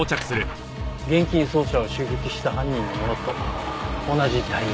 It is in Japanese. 現金輸送車を襲撃した犯人のものと同じタイヤ痕。